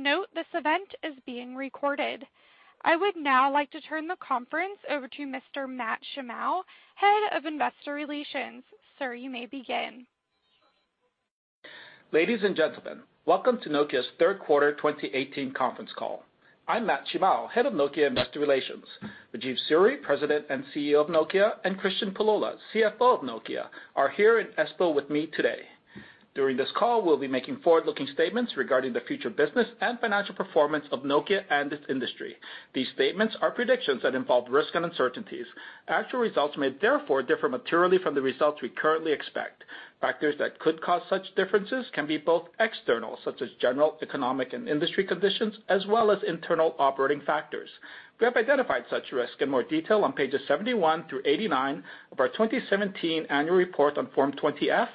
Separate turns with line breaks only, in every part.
Please note this event is being recorded. I would now like to turn the conference over to Mr. Matt Shimao, Head of Investor Relations. Sir, you may begin.
Ladies and gentlemen, welcome to Nokia's third quarter 2018 conference call. I'm Matt Shimao, Head of Nokia Investor Relations. Rajeev Suri, President and Chief Executive Officer of Nokia, and Kristian Pullola, Chief Financial Officer of Nokia, are here in Espoo with me today. During this call, we'll be making forward-looking statements regarding the future business and financial performance of Nokia and its industry. These statements are predictions that involve risks and uncertainties. Actual results may therefore differ materially from the results we currently expect. Factors that could cause such differences can be both external, such as general economic and industry conditions, as well as internal operating factors. We have identified such risks in more detail on pages 71 through 89 of our 2017 annual report on Form 20-F,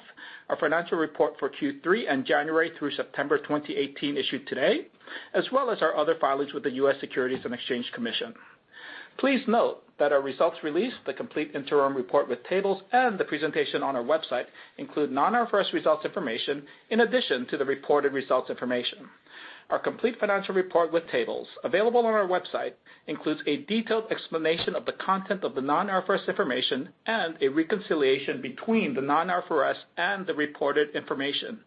our financial report for Q3 and January through September 2018 issued today, as well as our other filings with the U.S. Securities and Exchange Commission. Please note that our results release, the complete interim report with tables, and the presentation on our website include non-IFRS results information in addition to the reported results information. Our complete financial report with tables, available on our website, includes a detailed explanation of the content of the non-IFRS information and a reconciliation between the non-IFRS and the reported information.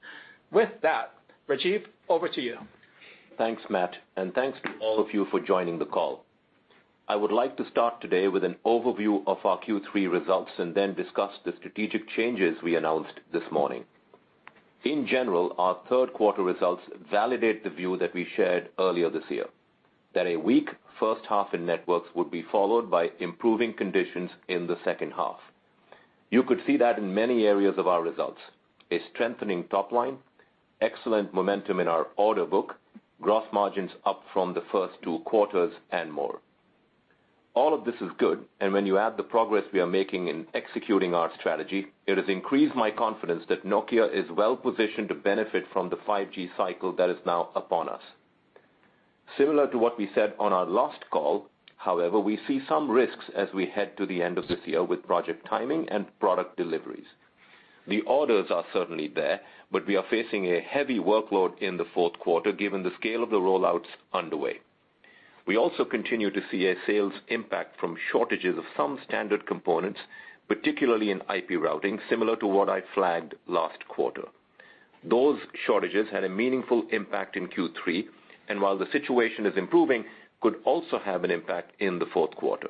With that, Rajeev, over to you.
Thanks, Matt, and thanks to all of you for joining the call. I would like to start today with an overview of our Q3 results and then discuss the strategic changes we announced this morning. In general, our third quarter results validate the view that we shared earlier this year, that a weak first half in Networks would be followed by improving conditions in the second half. You could see that in many areas of our results: a strengthening top line, excellent momentum in our order book, gross margins up from the first two quarters, and more. All of this is good, and when you add the progress we are making in executing our strategy, it has increased my confidence that Nokia is well-positioned to benefit from the 5G cycle that is now upon us. Similar to what we said on our last call, however, we see some risks as we head to the end of this year with project timing and product deliveries. The orders are certainly there. We are facing a heavy workload in the fourth quarter given the scale of the rollouts underway. We also continue to see a sales impact from shortages of some standard components, particularly in IP routing, similar to what I flagged last quarter. Those shortages had a meaningful impact in Q3, and while the situation is improving, could also have an impact in the fourth quarter.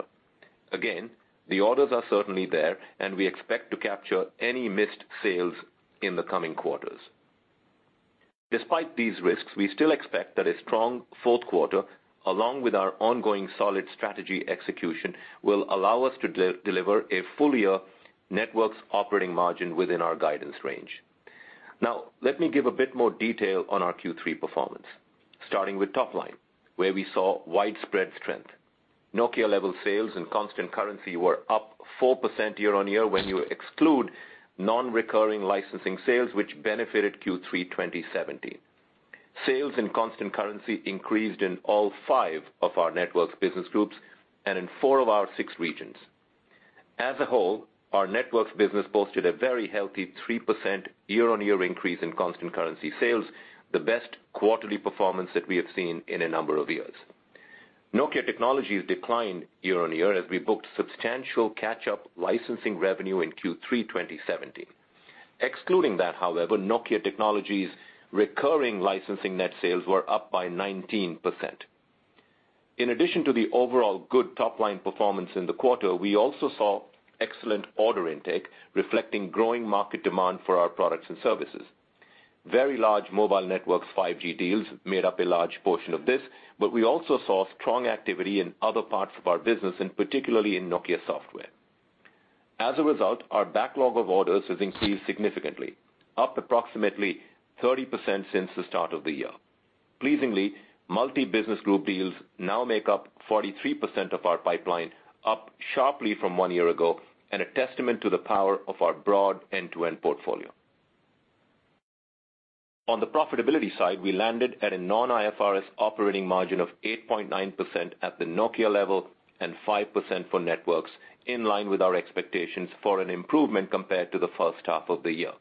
Again, the orders are certainly there. We expect to capture any missed sales in the coming quarters. Despite these risks, we still expect that a strong fourth quarter, along with our ongoing solid strategy execution, will allow us to deliver a full-year Networks operating margin within our guidance range. Let me give a bit more detail on our Q3 performance. Starting with top-line, where we saw widespread strength. Nokia-level sales in constant currency were up 4% year-on-year when you exclude non-recurring licensing sales, which benefited Q3 2017. Sales in constant currency increased in all five of our Networks business groups and in four of our six regions. As a whole, our Networks business posted a very healthy 3% year-on-year increase in constant currency sales, the best quarterly performance that we have seen in a number of years. Nokia Technologies declined year-on-year as we booked substantial catch-up licensing revenue in Q3 2017. Excluding that, however, Nokia Technologies' recurring licensing net sales were up by 19%. In addition to the overall good top-line performance in the quarter, we also saw excellent order intake reflecting growing market demand for our products and services. Very large Mobile Networks 5G deals made up a large portion of this. We also saw strong activity in other parts of our business, and particularly in Nokia Software. Our backlog of orders has increased significantly, up approximately 30% since the start of the year. Pleasingly, multi-business group deals now make up 43% of our pipeline, up sharply from one year ago. A testament to the power of our broad end-to-end portfolio. On the profitability side, we landed at a non-IFRS operating margin of 8.9% at the Nokia level and 5% for Networks, in line with our expectations for an improvement compared to the first half of the year.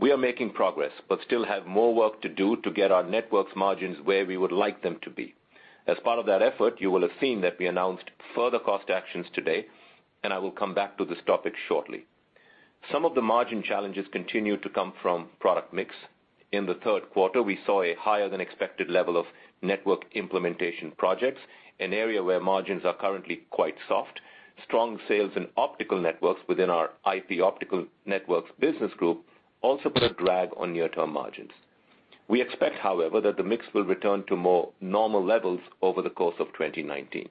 We are making progress. Still have more work to do to get our Networks margins where we would like them to be. As part of that effort, you will have seen that we announced further cost actions today. I will come back to this topic shortly. Some of the margin challenges continue to come from product mix. In the third quarter, we saw a higher-than-expected level of network implementation projects, an area where margins are currently quite soft. Strong sales in optical networks within our IP Optical Networks business group also put a drag on near-term margins. We expect, however, that the mix will return to more normal levels over the course of 2019.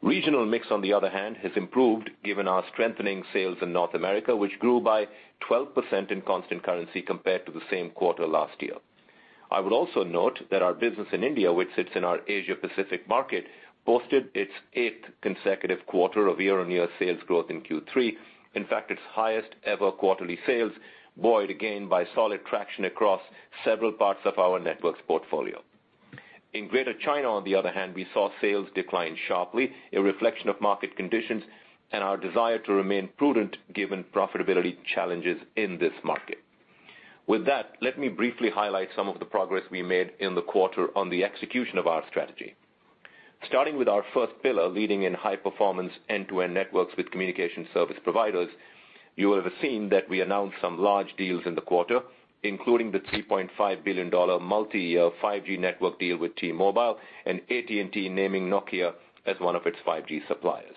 Regional mix, on the other hand, has improved given our strengthening sales in North America, which grew by 12% in constant currency compared to the same quarter last year. I would also note that our business in India, which sits in our Asia Pacific market, posted its eighth consecutive quarter of year-on-year sales growth in Q3. Its highest ever quarterly sales, buoyed again by solid traction across several parts of our Networks portfolio. In Greater China, on the other hand, we saw sales decline sharply, a reflection of market conditions and our desire to remain prudent given profitability challenges in this market. Let me briefly highlight some of the progress we made in the quarter on the execution of our strategy. Starting with our first pillar, leading in high performance end-to-end networks with communication service providers, you will have seen that we announced some large deals in the quarter, including the $3.5 billion multi-year 5G network deal with T-Mobile and AT&T naming Nokia as one of its 5G suppliers.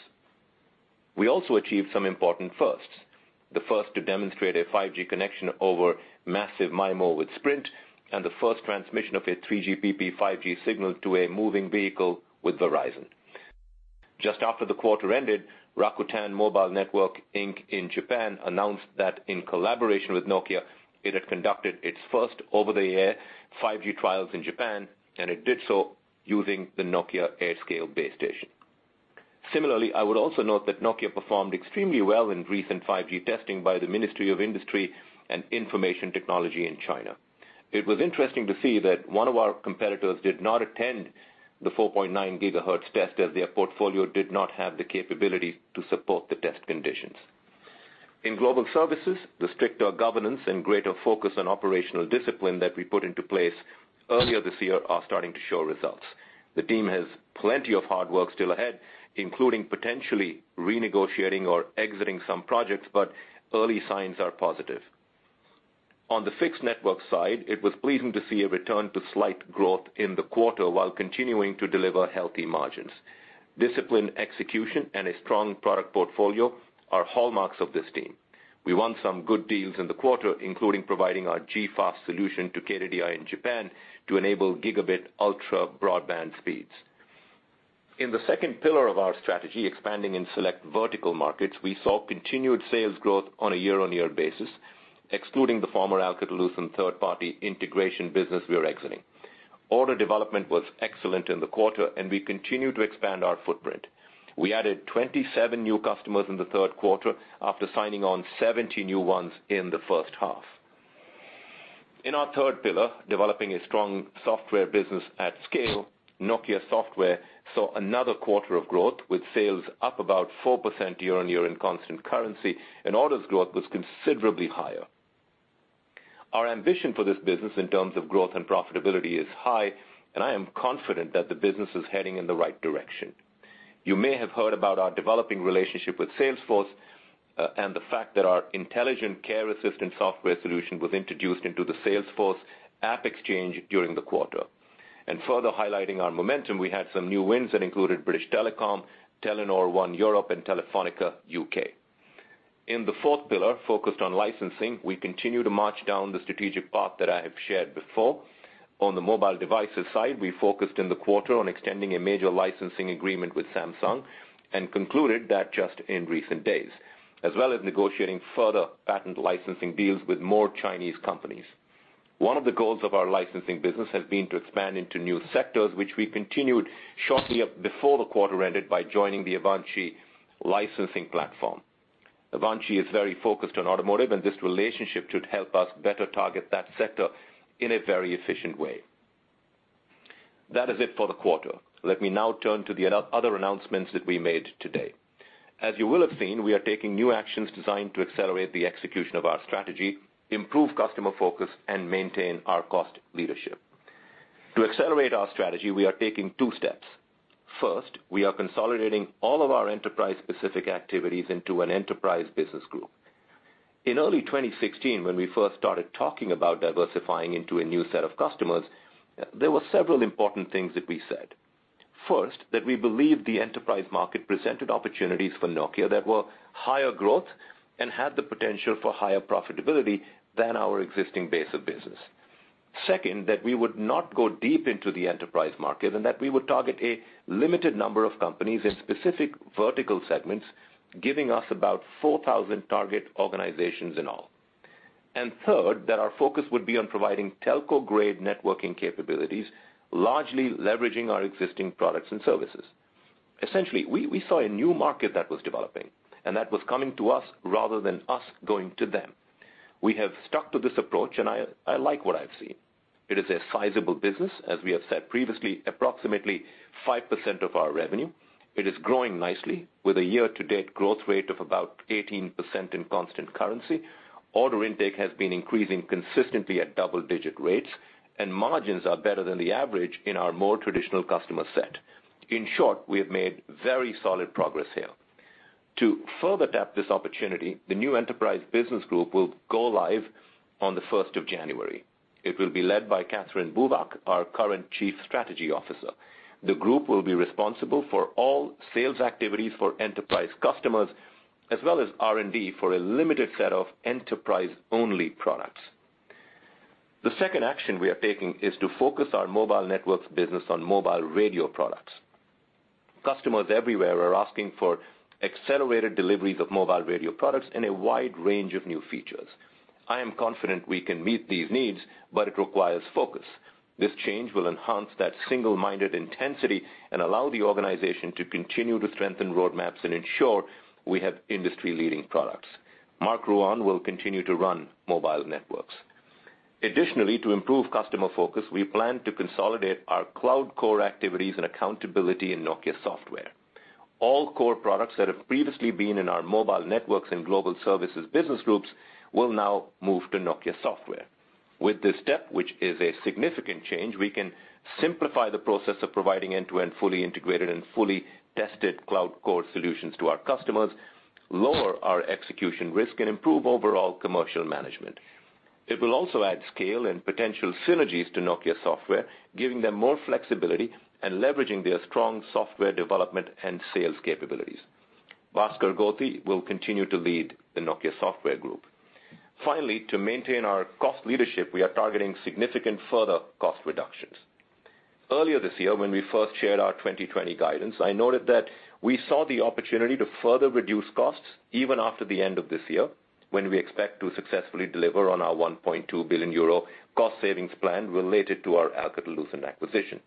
We also achieved some important firsts, the first to demonstrate a 5G connection over Massive MIMO with Sprint, and the first transmission of a 3GPP 5G signal to a moving vehicle with Verizon. Just after the quarter ended, Rakuten Mobile Network Inc in Japan announced that in collaboration with Nokia, it had conducted its first over-the-air 5G trials in Japan, and it did so using the Nokia AirScale base station. I would also note that Nokia performed extremely well in recent 5G testing by the Ministry of Industry and Information Technology in China. It was interesting to see that one of our competitors did not attend the 4.9 GHz test as their portfolio did not have the capability to support the test conditions. In global services, the stricter governance and greater focus on operational discipline that we put into place earlier this year are starting to show results. The team has plenty of hard work still ahead, including potentially renegotiating or exiting some projects, early signs are positive. On the fixed network side, it was pleasing to see a return to slight growth in the quarter while continuing to deliver healthy margins. Disciplined execution and a strong product portfolio are hallmarks of this team. We won some good deals in the quarter, including providing our G.fast solution to KDDI in Japan to enable gigabit ultra-broadband speeds. In the second pillar of our strategy, expanding in select vertical markets, we saw continued sales growth on a year-on-year basis, excluding the former Alcatel-Lucent third party integration business we are exiting. Order development was excellent in the quarter, we continue to expand our footprint. We added 27 new customers in the third quarter after signing on 70 new ones in the first half. In our third pillar, developing a strong software business at scale, Nokia Software saw another quarter of growth with sales up about 4% year-on-year in constant currency orders growth was considerably higher. Our ambition for this business in terms of growth and profitability is high, I am confident that the business is heading in the right direction. You may have heard about our developing relationship with Salesforce, the fact that our Intelligent Care Assistant software solution was introduced into the Salesforce AppExchange during the quarter. Further highlighting our momentum, we had some new wins that included British Telecom, Telenor One Europe, and Telefónica UK. In the fourth pillar, focused on licensing, we continue to march down the strategic path that I have shared before. On the mobile devices side, we focused in the quarter on extending a major licensing agreement with Samsung and concluded that just in recent days, as well as negotiating further patent licensing deals with more Chinese companies. One of the goals of our licensing business has been to expand into new sectors, which we continued shortly before the quarter ended by joining the Avanci licensing platform. Avanci is very focused on automotive, and this relationship should help us better target that sector in a very efficient way. That is it for the quarter. Let me now turn to the other announcements that we made today. As you will have seen, we are taking new actions designed to accelerate the execution of our strategy, improve customer focus, and maintain our cost leadership. To accelerate our strategy, we are taking two steps. First, we are consolidating all of our enterprise-specific activities into an enterprise business group. In early 2016, when we first started talking about diversifying into a new set of customers, there were several important things that we said. First, that we believe the enterprise market presented opportunities for Nokia that were higher growth and had the potential for higher profitability than our existing base of business. Second, that we would not go deep into the enterprise market and that we would target a limited number of companies in specific vertical segments, giving us about 4,000 target organizations in all. Third, that our focus would be on providing telco-grade networking capabilities, largely leveraging our existing products and services. Essentially, we saw a new market that was developing, and that was coming to us rather than us going to them. We have stuck to this approach, and I like what I've seen. It is a sizable business, as we have said previously, approximately 5% of our revenue. It is growing nicely with a year-to-date growth rate of about 18% in constant currency. Order intake has been increasing consistently at double-digit rates, and margins are better than the average in our more traditional customer set. In short, we have made very solid progress here. To further tap this opportunity, the new enterprise business group will go live on the 1st of January. It will be led by Kathrin Buvac, our current Chief Strategy Officer. The group will be responsible for all sales activities for enterprise customers, as well as R&D for a limited set of enterprise-only products. The second action we are taking is to focus our mobile networks business on mobile radio products. Customers everywhere are asking for accelerated deliveries of mobile radio products and a wide range of new features. I am confident we can meet these needs. It requires focus. This change will enhance that single-minded intensity and allow the organization to continue to strengthen roadmaps and ensure we have industry-leading products. Marc Rouanne will continue to run mobile networks. Additionally, to improve customer focus, we plan to consolidate our cloud core activities and accountability in Nokia Software. All core products that have previously been in our mobile networks and global services business groups will now move to Nokia Software. With this step, which is a significant change, we can simplify the process of providing end-to-end fully integrated and fully tested cloud core solutions to our customers, lower our execution risk, and improve overall commercial management. It will also add scale and potential synergies to Nokia Software, giving them more flexibility and leveraging their strong software development and sales capabilities. Bhaskar Gorti will continue to lead the Nokia Software group. Finally, to maintain our cost leadership, we are targeting significant further cost reductions. Earlier this year when we first shared our 2020 guidance, I noted that we saw the opportunity to further reduce costs even after the end of this year, when we expect to successfully deliver on our 1.2 billion euro cost savings plan related to our Alcatel-Lucent acquisition.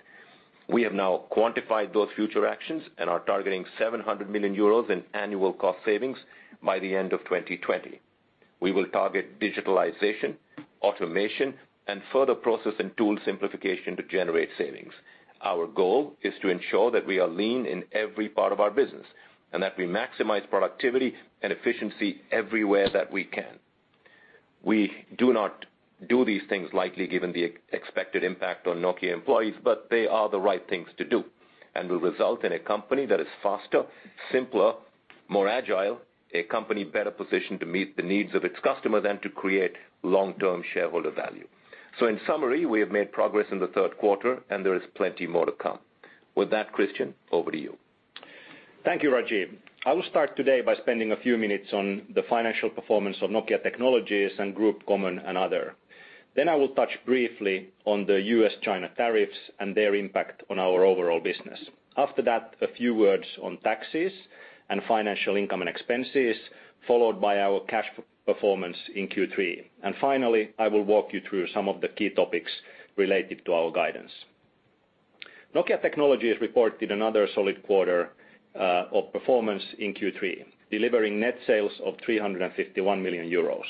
We have now quantified those future actions and are targeting 700 million euros in annual cost savings by the end of 2020. We will target digitalization, automation, and further process and tool simplification to generate savings. Our goal is to ensure that we are lean in every part of our business, that we maximize productivity and efficiency everywhere that we can. We do not do these things lightly given the expected impact on Nokia employees, they are the right things to do and will result in a company that is faster, simpler, more agile, a company better positioned to meet the needs of its customers and to create long-term shareholder value. In summary, we have made progress in the third quarter, and there is plenty more to come. With that, Kristian, over to you.
Thank you, Rajeev. I will start today by spending a few minutes on the financial performance of Nokia Technologies and Group Common and Other. I will touch briefly on the U.S.-China tariffs and their impact on our overall business. After that, a few words on taxes and financial income and expenses, followed by our cash performance in Q3. Finally, I will walk you through some of the key topics related to our guidance. Nokia Technologies reported another solid quarter of performance in Q3, delivering net sales of 351 million euros.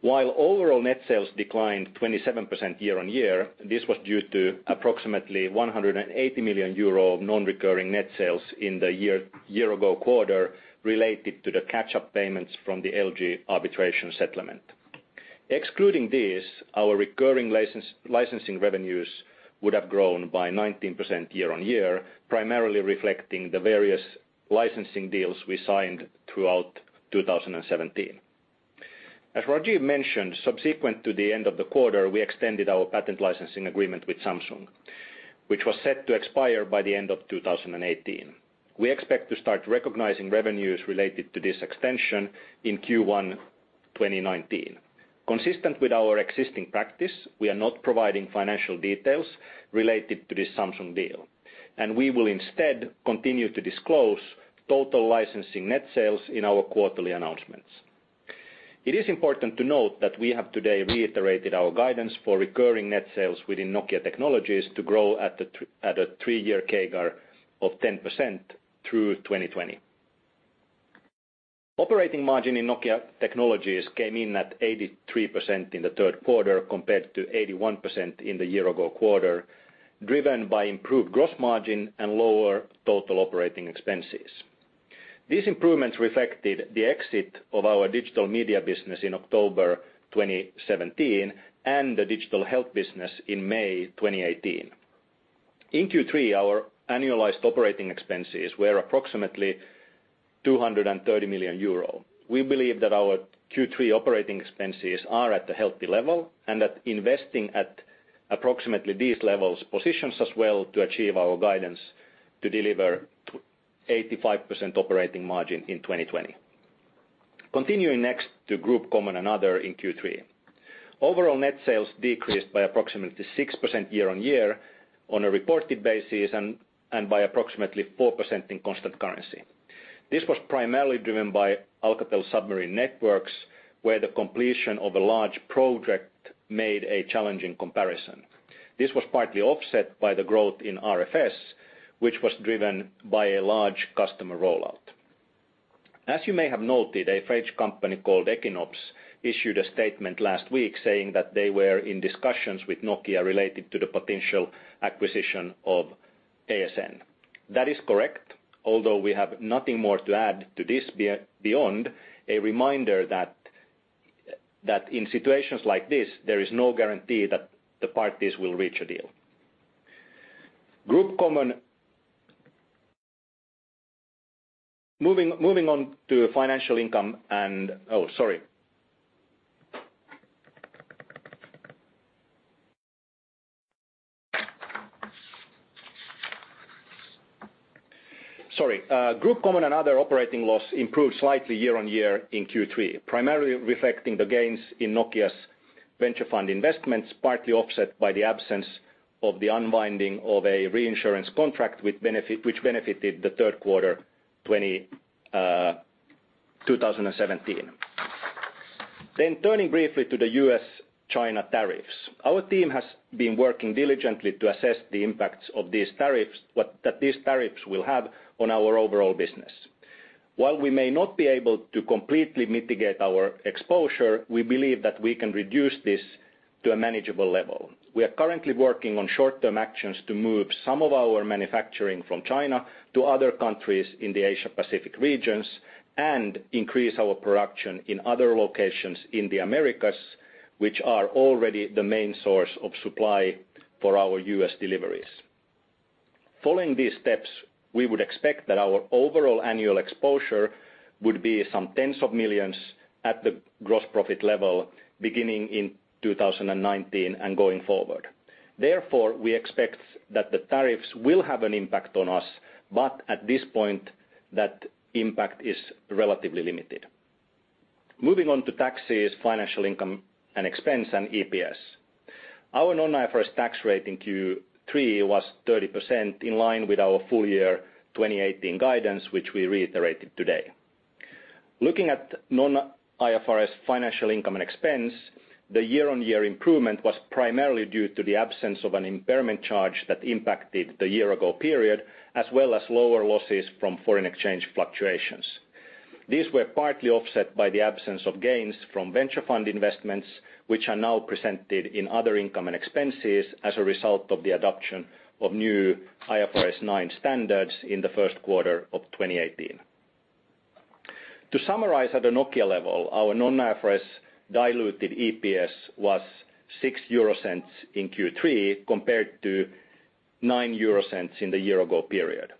While overall net sales declined 27% year-on-year, this was due to approximately 180 million euro of non-recurring net sales in the year-ago quarter related to the catch-up payments from the LG arbitration settlement. Excluding this, our recurring licensing revenues would have grown by 19% year-on-year, primarily reflecting the various licensing deals we signed throughout 2017. As Rajiv mentioned, subsequent to the end of the quarter, we extended our patent licensing agreement with Samsung, which was set to expire by the end of 2018. We expect to start recognizing revenues related to this extension in Q1 2019. Consistent with our existing practice, we are not providing financial details related to the Samsung deal, we will instead continue to disclose total licensing net sales in our quarterly announcements. It is important to note that we have today reiterated our guidance for recurring net sales within Nokia Technologies to grow at a three-year CAGR of 10% through 2020. Operating margin in Nokia Technologies came in at 83% in the third quarter, compared to 81% in the year-ago quarter, driven by improved gross margin and lower total operating expenses. These improvements reflected the exit of our digital media business in October 2017 and the digital health business in May 2018. In Q3, our annualized operating expenses were approximately 230 million euro. We believe that our Q3 operating expenses are at a healthy level, and that investing at approximately these levels positions us well to achieve our guidance to deliver 85% operating margin in 2020. Continuing next to Group Common and Other in Q3. Overall net sales decreased by approximately 6% year-on-year on a reported basis and by approximately 4% in constant currency. This was primarily driven by Alcatel Submarine Networks, where the completion of a large project made a challenging comparison. This was partly offset by the growth in RFS, which was driven by a large customer rollout. As you may have noted, a French company called Ekinops issued a statement last week saying that they were in discussions with Nokia related to the potential acquisition of ASN. That is correct, although we have nothing more to add to this beyond a reminder that in situations like this, there is no guarantee that the parties will reach a deal. Group Common. Moving on to financial income and. Group Common and Other operating loss improved slightly year-on-year in Q3, primarily reflecting the gains in Nokia's venture fund investments, partly offset by the absence of the unwinding of a reinsurance contract which benefited the third quarter 2017. Turning briefly to the U.S.-China tariffs. Our team has been working diligently to assess the impacts that these tariffs will have on our overall business. While we may not be able to completely mitigate our exposure, we believe that we can reduce this to a manageable level. We are currently working on short-term actions to move some of our manufacturing from China to other countries in the Asia-Pacific regions and increase our production in other locations in the Americas, which are already the main source of supply for our U.S. deliveries. Following these steps, we would expect that our overall annual exposure would be some tens of millions at the gross profit level beginning in 2019 and going forward. We expect that the tariffs will have an impact on us, but at this point, that impact is relatively limited. Moving on to taxes, financial income and expense and EPS. Our non-IFRS tax rate in Q3 was 30%, in line with our full year 2018 guidance, which we reiterated today. Looking at non-IFRS financial income and expense, the year-on-year improvement was primarily due to the absence of an impairment charge that impacted the year ago period, as well as lower losses from foreign exchange fluctuations. These were partly offset by the absence of gains from venture fund investments, which are now presented in other income and expenses as a result of the adoption of new IFRS 9 standards in the first quarter of 2018. To summarize at the Nokia level, our non-IFRS diluted EPS was 0.06 in Q3 compared to 0.09 in the year ago period.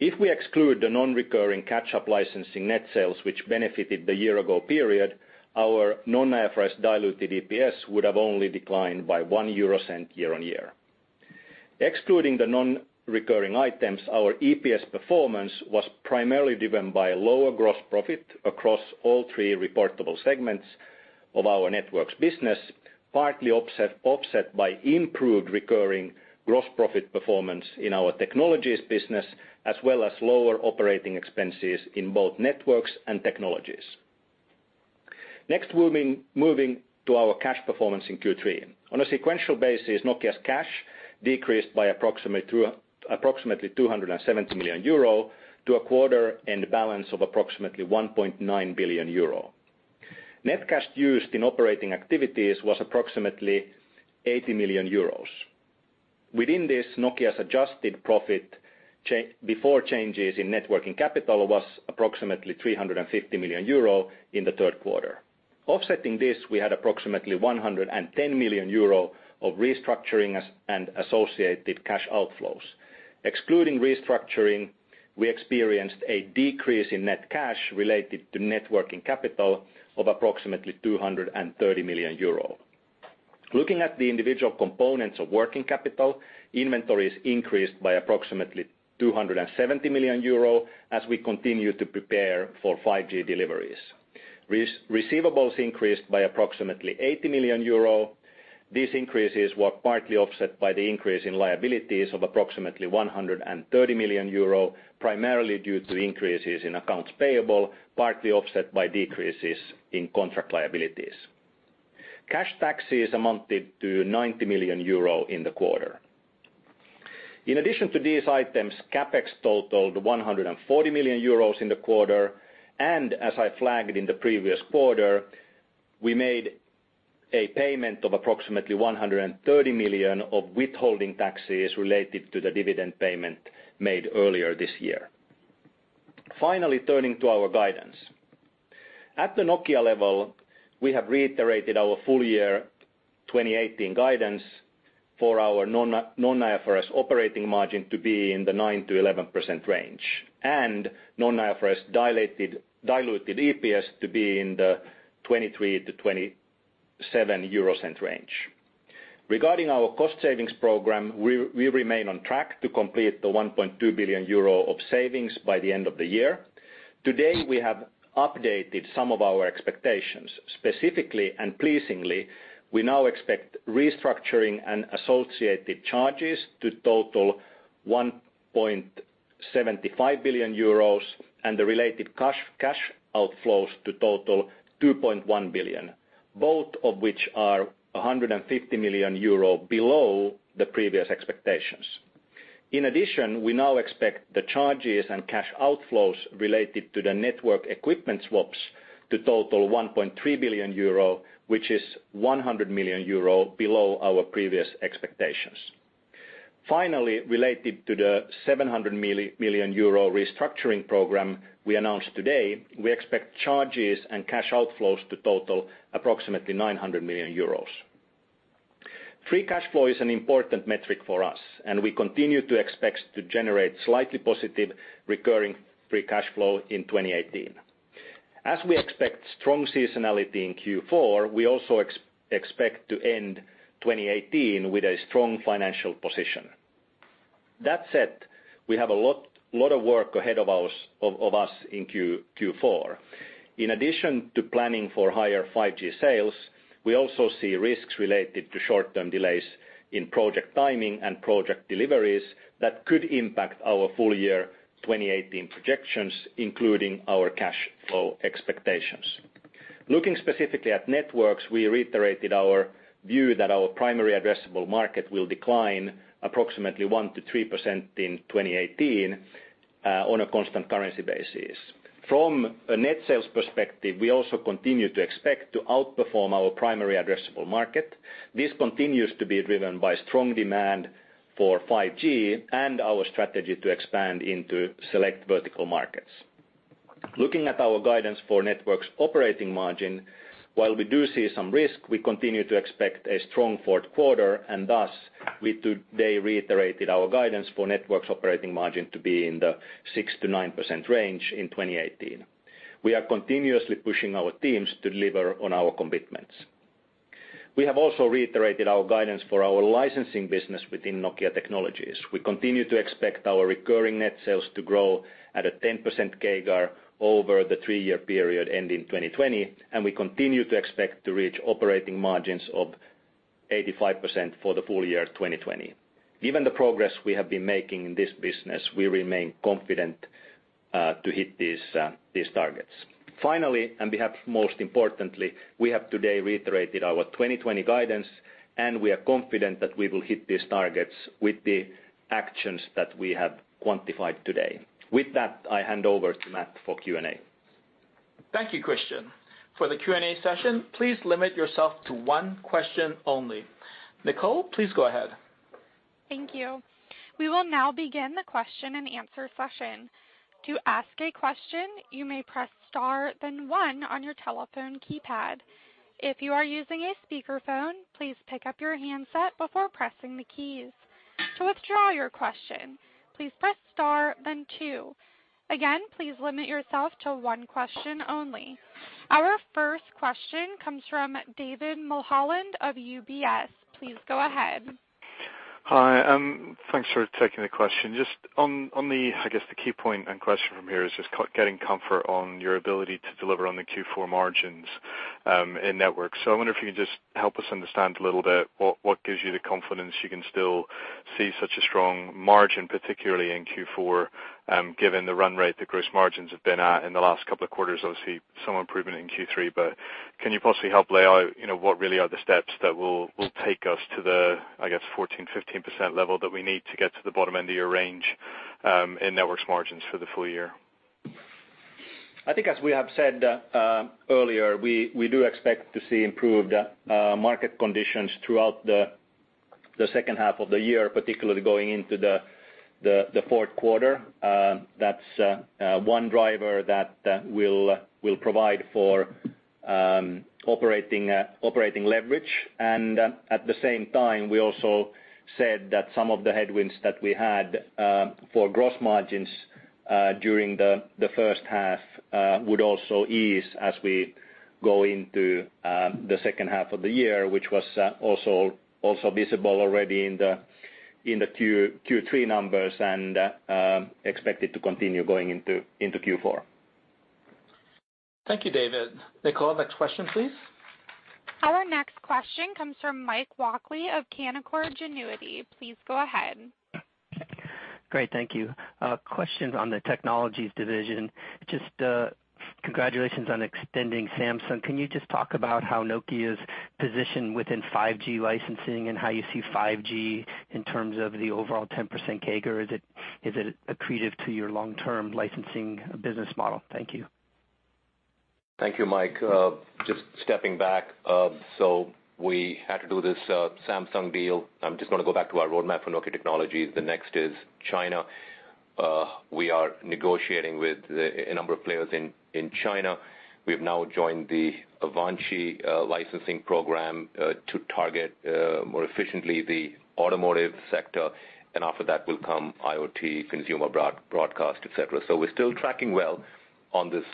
If we exclude the non-recurring catch-up licensing net sales which benefited the year ago period, our non-IFRS diluted EPS would have only declined by 0.01 year-on-year. Excluding the non-recurring items, our EPS performance was primarily driven by lower gross profit across all three reportable segments of our networks business, partly offset by improved recurring gross profit performance in our technologies business, as well as lower operating expenses in both networks and technologies. Next, moving to our cash performance in Q3. On a sequential basis, Nokia's cash decreased by approximately 270 million euro to a quarter end balance of approximately 1.9 billion euro. Net cash used in operating activities was approximately 80 million euros. Within this, Nokia's adjusted profit before changes in net working capital was approximately 350 million euro in the third quarter. Offsetting this, we had approximately 110 million euro of restructuring and associated cash outflows. Excluding restructuring, we experienced a decrease in net cash related to net working capital of approximately 230 million euro. Looking at the individual components of working capital, inventories increased by approximately 270 million euro as we continue to prepare for 5G deliveries. Receivables increased by approximately 80 million euro. These increases were partly offset by the increase in liabilities of approximately 130 million euro, primarily due to increases in accounts payable, partly offset by decreases in contract liabilities. Cash taxes amounted to 90 million euro in the quarter. In addition to these items, CapEx totaled 140 million euros in the quarter. As I flagged in the previous quarter, we made a payment of approximately 130 million of withholding taxes related to the dividend payment made earlier this year. Finally, turning to our guidance. At the Nokia level, we have reiterated our full year 2018 guidance for our non-IFRS operating margin to be in the 9%-11% range, and non-IFRS diluted EPS to be in the 0.23-0.27 range. Regarding our cost savings program, we remain on track to complete the 1.2 billion euro of savings by the end of the year. Today, we have updated some of our expectations. Specifically, and pleasingly, we now expect restructuring and associated charges to total 1.75 billion euros, and the related cash outflows to total 2.1 billion, both of which are 150 million euro below the previous expectations. In addition, we now expect the charges and cash outflows related to the network equipment swaps to total 1.3 billion euro, which is 100 million euro below our previous expectations. Finally, related to the 700 million euro restructuring program we announced today, we expect charges and cash outflows to total approximately 900 million euros. Free cash flow is an important metric for us, and we continue to expect to generate slightly positive recurring free cash flow in 2018. As we expect strong seasonality in Q4, we also expect to end 2018 with a strong financial position. That said, we have a lot of work ahead of us in Q4. In addition to planning for higher 5G sales, we also see risks related to short-term delays in project timing and project deliveries that could impact our full year 2018 projections, including our cash flow expectations. Looking specifically at networks, we reiterated our view that our primary addressable market will decline approximately 1%-3% in 2018 on a constant currency basis. From a net sales perspective, we also continue to expect to outperform our primary addressable market. This continues to be driven by strong demand for 5G and our strategy to expand into select vertical markets. Looking at our guidance for networks operating margin, while we do see some risk, we continue to expect a strong fourth quarter, thus we today reiterated our guidance for networks operating margin to be in the 6%-9% range in 2018. We are continuously pushing our teams to deliver on our commitments. We have also reiterated our guidance for our licensing business within Nokia Technologies. We continue to expect our recurring net sales to grow at a 10% CAGR over the three-year period ending 2020, and we continue to expect to reach operating margins of 85% for the full year 2020. Given the progress we have been making in this business, we remain confident to hit these targets. Finally, and perhaps most importantly, we have today reiterated our 2020 guidance, and we are confident that we will hit these targets with the actions that we have quantified today. With that, I hand over to Matt for Q&A.
Thank you, Kristian. For the Q&A session, please limit yourself to one question only. Nicole, please go ahead.
Thank you. We will now begin the question and answer session. To ask a question, you may press star then one on your telephone keypad. If you are using a speakerphone, please pick up your handset before pressing the keys. To withdraw your question, please press star then two. Again, please limit yourself to one question only. Our first question comes from David Mulholland of UBS. Please go ahead.
Hi. Thanks for taking the question. Just on the, I guess, the key point and question from here is just getting comfort on your ability to deliver on the Q4 margins in networks. I wonder if you can just help us understand a little bit what gives you the confidence you can still see such a strong margin, particularly in Q4, given the run rate the gross margins have been at in the last couple of quarters. Obviously, some improvement in Q3, can you possibly help lay out what really are the steps that will take us to the, I guess, 14%-15% level that we need to get to the bottom end of your range in networks margins for the full year?
I think as we have said earlier, we do expect to see improved market conditions throughout the second half of the year, particularly going into the fourth quarter. That's one driver that will provide for operating leverage. At the same time, we also said that some of the headwinds that we had for gross margins during the first half would also ease as we go into the second half of the year, which was also visible already in the Q3 numbers and expected to continue going into Q4.
Thank you, David. Nicole, next question, please.
Our next question comes from Michael Walkley of Canaccord Genuity. Please go ahead.
Great. Thank you. A question on the Nokia Technologies division. Just congratulations on extending Samsung. Can you just talk about how Nokia's positioned within 5G licensing and how you see 5G in terms of the overall 10% CAGR? Is it accretive to your long-term licensing business model? Thank you.
Thank you, Mike. Just stepping back, we had to do this Samsung deal. I'm just going to go back to our roadmap for Nokia Technologies. The next is China. We are negotiating with a number of players in China. We have now joined the Avanci licensing program to target more efficiently the automotive sector. After that will come IoT, consumer broadcast, et cetera. We're still tracking well on this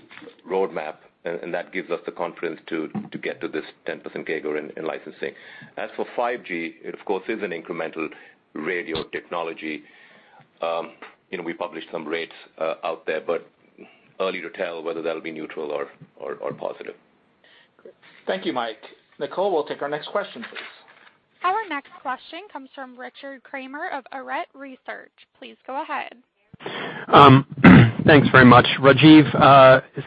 roadmap, and that gives us the confidence to get to this 10% CAGR in licensing. As for 5G, it of course, is an incremental radio technology. We published some rates out there, but early to tell whether that'll be neutral or positive.
Great. Thank you, Mike. Nicole, we'll take our next question, please.
Our next question comes from Richard Kramer of Arete Research. Please go ahead.
Thanks very much. Rajeev,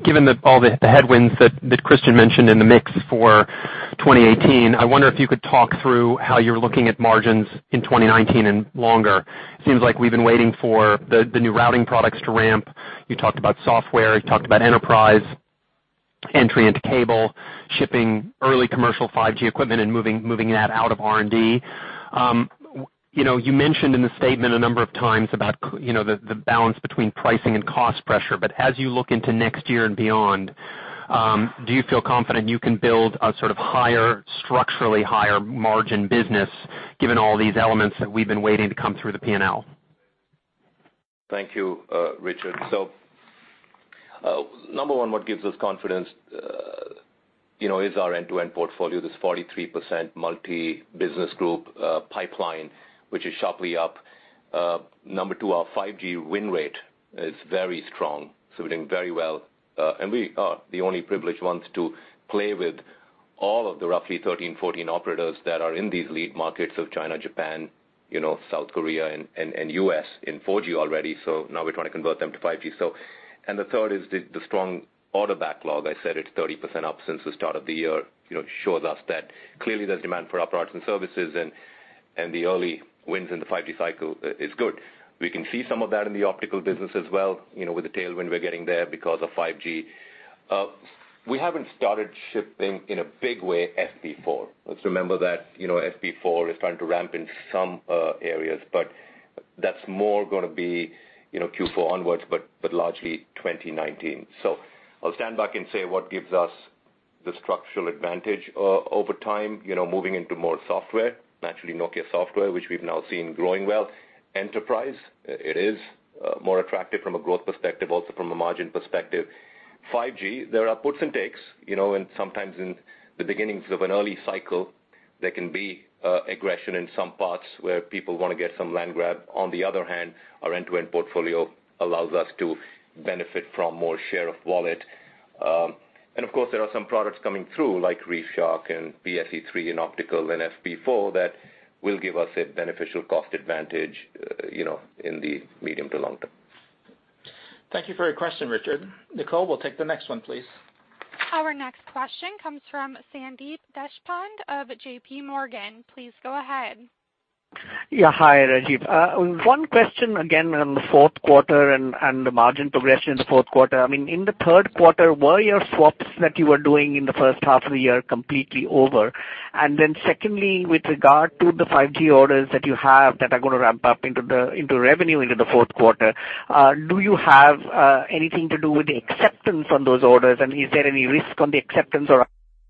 given all the headwinds that Kristian mentioned in the mix for 2018, I wonder if you could talk through how you're looking at margins in 2019 and longer. It seems like we've been waiting for the new routing products to ramp. You talked about software, you talked about enterprise entry into cable, shipping early commercial 5G equipment, and moving that out of R&D. You mentioned in the statement a number of times about the balance between pricing and cost pressure. As you look into next year and beyond, do you feel confident you can build a sort of structurally higher margin business given all these elements that we've been waiting to come through the P&L?
Thank you, Richard. Number 1, what gives us confidence is our end-to-end portfolio, this 43% multi-business group pipeline, which is sharply up. Number 2, our 5G win rate is very strong, we're doing very well. We are the only privileged ones to play with all of the roughly 13, 14 operators that are in these lead markets of China, Japan, South Korea, and U.S. in 4G already. Now we're trying to convert them to 5G. The third is the strong order backlog. I said it's 30% up since the start of the year. It shows us that clearly there's demand for our products and services, and the early wins in the 5G cycle is good. We can see some of that in the optical business as well, with the tailwind we're getting there because of 5G. We haven't started shipping in a big way FP4. Let's remember that, FP4 is trying to ramp in some areas, that's more going to be Q4 onwards, largely 2019. I'll stand back and say what gives us the structural advantage over time, moving into more software. Naturally Nokia Software, which we've now seen growing well. Enterprise, it is more attractive from a growth perspective, also from a margin perspective. 5G, there are puts and takes. Sometimes in the beginnings of an early cycle, there can be aggression in some parts where people want to get some land grab. On the other hand, our end-to-end portfolio allows us to benefit from more share of wallet. Of course, there are some products coming through like ReefShark and PSE-3 and optical and FP4 that will give us a beneficial cost advantage in the medium to long term.
Thank you for your question, Richard. Nicole, we'll take the next one, please.
Our next question comes from Sandeep Deshpande of JPMorgan. Please go ahead.
Hi, Rajeev. One question again on the fourth quarter and the margin progression in the fourth quarter. In the third quarter, were your swaps that you were doing in the first half of the year completely over? Secondly, with regard to the 5G orders that you have that are going to ramp up into revenue into the fourth quarter, do you have anything to do with the acceptance on those orders? Is there any risk on the acceptance or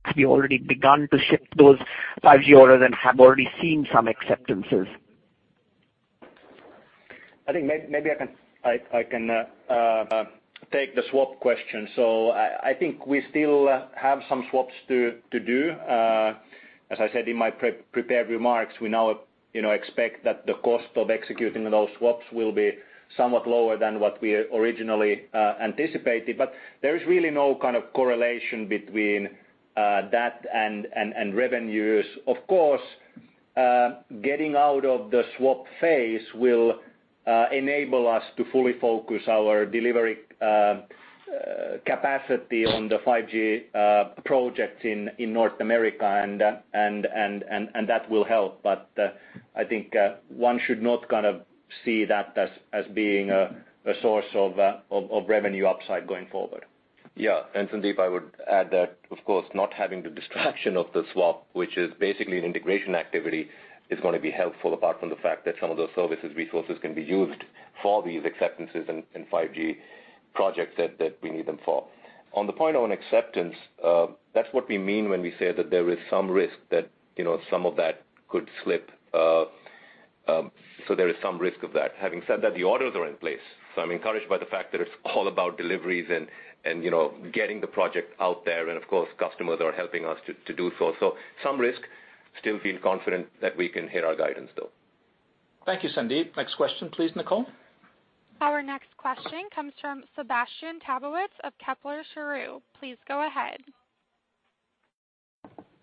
have you already begun to ship those 5G orders and have already seen some acceptances?
I think maybe I can take the swap question. I think we still have some swaps to do. As I said in my prepared remarks, we now expect that the cost of executing those swaps will be somewhat lower than what we originally anticipated. There is really no kind of correlation between that and revenues. Of course, getting out of the swap phase will enable us to fully focus our delivery capacity on the 5G projects in North America, and that will help, but I think one should not see that as being a source of revenue upside going forward.
Sandeep, I would add that, of course, not having the distraction of the swap, which is basically an integration activity, is going to be helpful apart from the fact that some of those services resources can be used for these acceptances and 5G projects that we need them for. On the point on acceptance, that's what we mean when we say that there is some risk that some of that could slip. There is some risk of that. Having said that, the orders are in place, I'm encouraged by the fact that it's all about deliveries and getting the project out there, and of course, customers are helping us to do so. Some risk, still feel confident that we can hit our guidance though.
Thank you, Sandeep. Next question please, Nicole.
Our next question comes from Sébastien Sztabowicz of Kepler Cheuvreux. Please go ahead.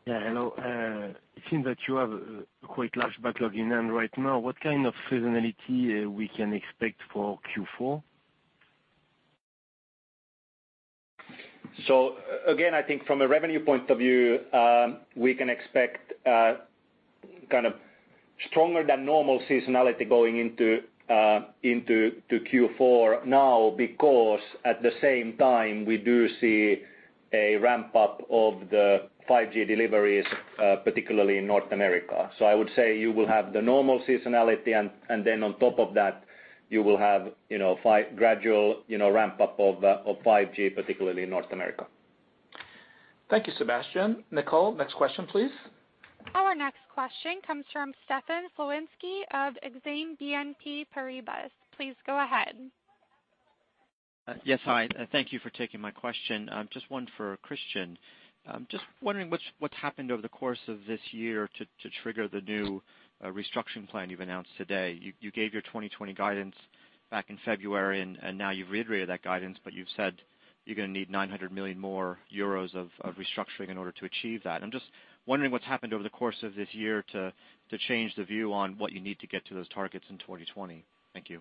Yeah, hello. It seems that you have a quite large backlog right now. What kind of seasonality we can expect for Q4?
Again, I think from a revenue point of view, we can expect kind of stronger than normal seasonality going into Q4 now because at the same time, we do see a ramp-up of the 5G deliveries, particularly in North America. I would say you will have the normal seasonality, and then on top of that, you will have gradual ramp-up of 5G, particularly in North America.
Thank you, Sébastien. Nicole, next question, please.
Our next question comes from Stefan Slowinski of Exane BNP Paribas. Please go ahead.
Yes. Hi. Thank you for taking my question. Just one for Kristian. Just wondering what's happened over the course of this year to trigger the new restructuring plan you've announced today. You gave your 2020 guidance back in February. Now you've reiterated that guidance, but you've said you're going to need 900 million euros more of restructuring in order to achieve that. I'm just wondering what's happened over the course of this year to change the view on what you need to get to those targets in 2020. Thank you.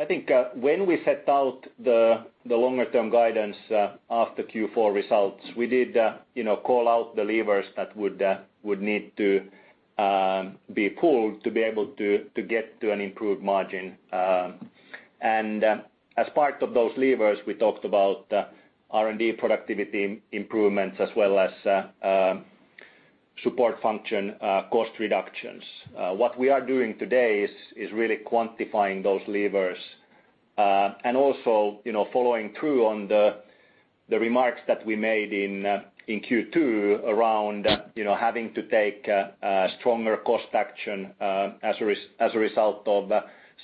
I think when we set out the longer-term guidance after Q4 results, we did call out the levers that would need to be pulled to be able to get to an improved margin. As part of those levers, we talked about R&D productivity improvements as well as support function cost reductions. What we are doing today is really quantifying those levers, and also following through on the remarks that we made in Q2 around having to take stronger cost action as a result of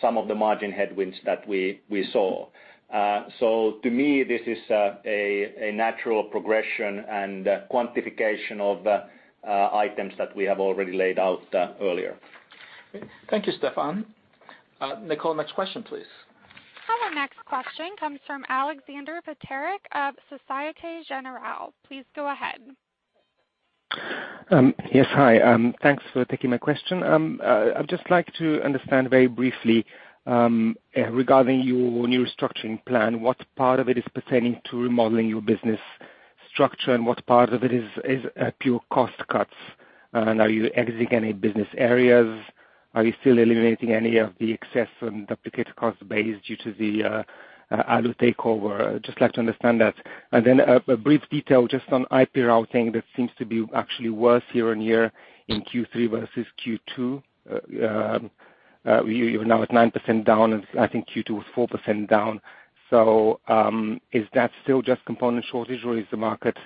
some of the margin headwinds that we saw. To me, this is a natural progression and quantification of items that we have already laid out earlier.
Thank you, Stefan. Nicole, next question, please.
Our next question comes from Aleksander Peterc of Societe Generale. Please go ahead.
Yes. Hi. Thanks for taking my question. I'd just like to understand very briefly regarding your new restructuring plan, what part of it is pertaining to remodeling your business structure, and what part of it is pure cost cuts? Are you exiting any business areas? Are you still eliminating any of the excess and duplicate cost base due to the ALU takeover? I'd just like to understand that. Then a brief detail just on IP routing that seems to be actually worse year-on-year in Q3 versus Q2. You're now at 9% down, and I think Q2 was 4% down. Is that still just component shortage, or is the market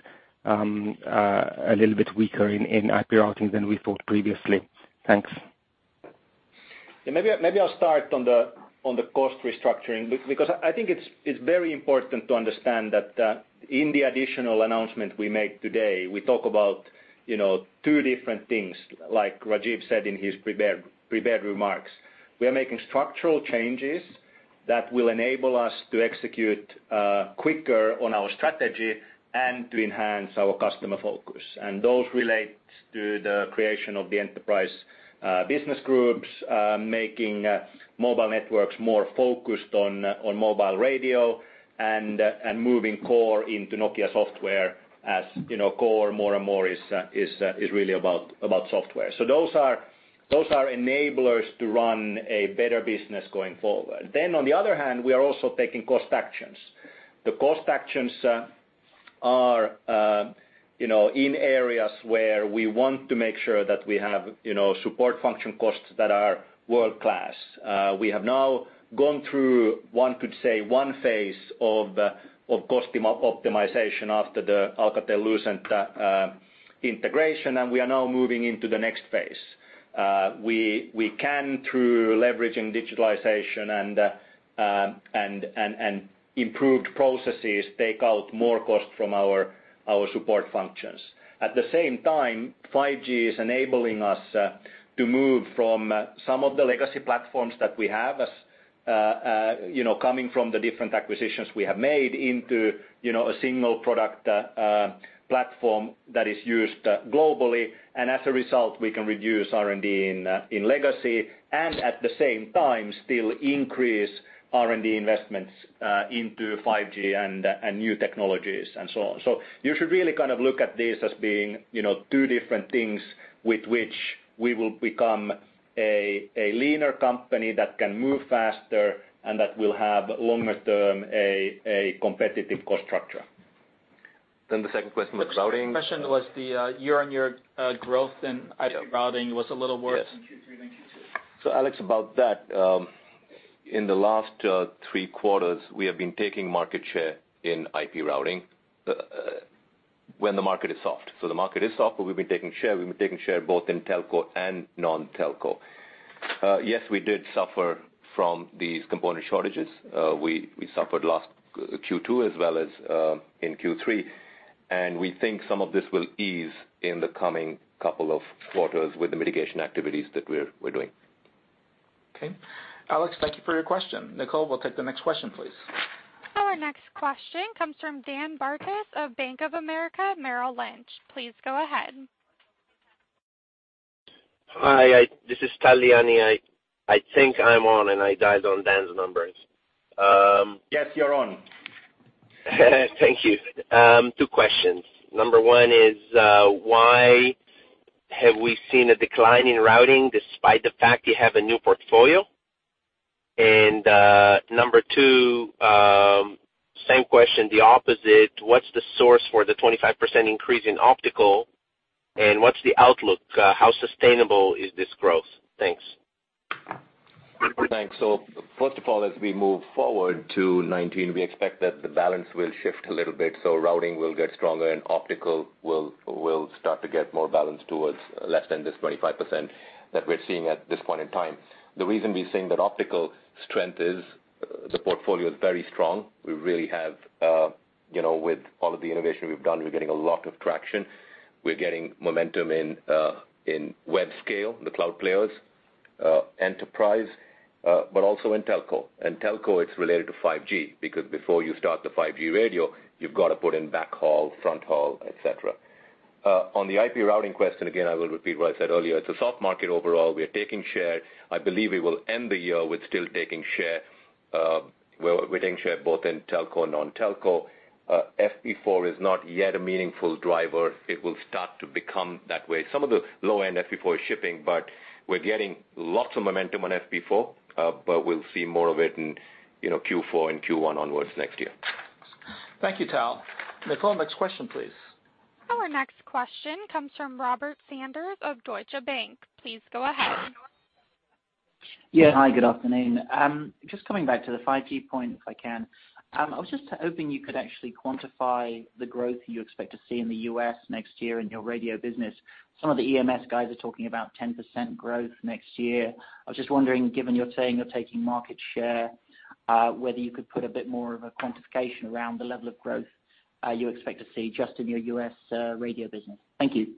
a little bit weaker in IP routing than we thought previously? Thanks.
Yeah, maybe I'll start on the cost restructuring. I think it's very important to understand that in the additional announcement we make today, we talk about two different things, like Rajeev said in his prepared remarks. We are making structural changes that will enable us to execute quicker on our strategy and to enhance our customer focus. Those relate to the creation of the enterprise business groups, making mobile networks more focused on mobile radio and moving core into Nokia Software. As core more and more is really about software. Those are enablers to run a better business going forward. On the other hand, we are also taking cost actions. The cost actions are in areas where we want to make sure that we have support function costs that are world-class. We have now gone through, one could say, one phase of cost optimization after the Alcatel-Lucent integration, and we are now moving into the next phase. We can, through leveraging digitalization and improved processes, take out more cost from our support functions. At the same time, 5G is enabling us to move from some of the legacy platforms that we have, coming from the different acquisitions we have made, into a single product platform that is used globally. As a result, we can reduce R&D in legacy, and at the same time, still increase R&D investments into 5G and new technologies and so on. You should really look at this as being two different things with which we will become a leaner company that can move faster and that will have longer-term, a competitive cost structure.
The second question was routing.
The second question was the year-on-year growth in IP routing was a little worse in Q3 than Q2.
Yes.
Alex, about that. In the last three quarters, we have been taking market share in IP routing when the market is soft. The market is soft, but we've been taking share. We've been taking share both in telco and non-telco. Yes, we did suffer from these component shortages. We suffered last Q2 as well as in Q3, and we think some of this will ease in the coming couple of quarters with the mitigation activities that we're doing. Okay. Alex, thank you for your question. Nicole, we'll take the next question, please.
Our next question comes from Dan Parkes of Bank of America Merrill Lynch. Please go ahead.
Hi, this is Tal Liani. I think I'm on. I dialed on Dan's numbers.
Yes, you're on.
Thank you. Two questions. Number one is, why have we seen a decline in routing despite the fact you have a new portfolio? Number two, same question, the opposite. What's the source for the 25% increase in optical? What's the outlook? How sustainable is this growth? Thanks.
Thanks. First of all, as we move forward to 2019, we expect that the balance will shift a little bit, routing will get stronger and optical will start to get more balanced towards less than this 25% that we are seeing at this point in time. The reason we are seeing that optical strength is the portfolio is very strong. With all of the innovation we have done, we are getting a lot of traction. We are getting momentum in web scale, the cloud players, enterprise, but also in telco. In telco it is related to 5G, because before you start the 5G radio, you have got to put in back haul, front haul, et cetera. On the IP routing question, again, I will repeat what I said earlier. It is a soft market overall. We are taking share. I believe we will end the year with still taking share. We are taking share both in telco and non-telco. FP4 is not yet a meaningful driver. It will start to become that way. Some of the low-end FP4 is shipping. We are getting lots of momentum on FP4, but we will see more of it in Q4 and Q1 onwards next year.
Thank you, Tal. Nicole, next question, please.
Our next question comes from Robert Sanders of Deutsche Bank. Please go ahead.
Yeah. Hi, good afternoon. Just coming back to the 5G point, if I can. I was just hoping you could actually quantify the growth you expect to see in the U.S. next year in your radio business. Some of the EMS guys are talking about 10% growth next year. I was just wondering, given you're saying you're taking market share, whether you could put a bit more of a quantification around the level of growth you expect to see just in your U.S. radio business. Thank you.